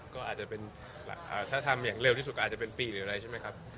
ก็อาจจะเป็นถ้าทำอย่างเร็วที่สุดก็อาจจะเป็นปีหรืออะไรใช่ไหมครับ